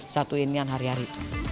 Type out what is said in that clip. satu indian hari hari